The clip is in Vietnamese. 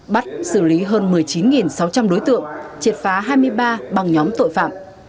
bắt xử lý hơn một mươi chín sáu trăm linh đối tượng triệt phá hai mươi ba bằng nhóm tội phạm